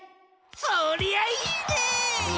そりゃあいいねえ！